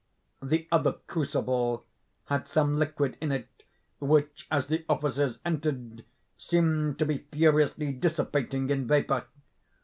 The other crucible had some liquid in it, which, as the officers entered, seemed to be furiously dissipating in vapor.